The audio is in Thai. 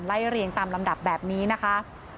เรียงตามลำดับแบบนี้นะคะ